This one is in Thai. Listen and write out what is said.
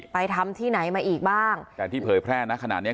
ทำที่ไหนมาอีกบ้างแต่ที่เผยแพร่นะขนาดเนี้ย